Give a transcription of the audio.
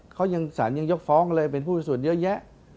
เขายังสารยังยกฟ้องเลยเป็นผู้มีส่วนเยอะแยะ